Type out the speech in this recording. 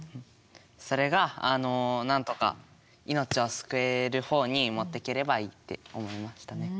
それがなんとか命を救える方に持っていければいいって思いましたね。